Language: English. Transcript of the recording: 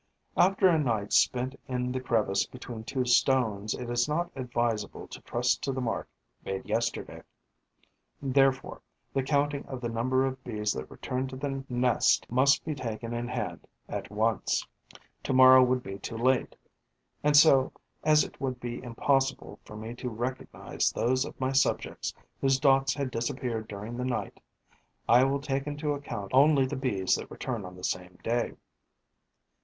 After a night spent in the crevice between two stones, it is not advisable to trust to the mark made yesterday. Therefore, the counting of the number of Bees that return to the nest must be taken in hand at once; tomorrow would be too late. And so, as it would be impossible for me to recognize those of my subjects whose dots had disappeared during the night, I will take into account only the Bees that return on the same day.